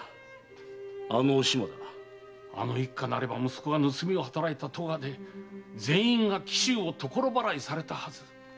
あの一家なれば息子が盗みをはたらいた咎で全員が紀州を所払いされたはず。